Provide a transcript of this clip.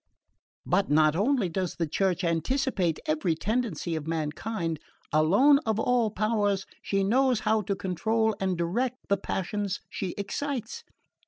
"But not only does the Church anticipate every tendency of mankind; alone of all powers she knows how to control and direct the passions she excites.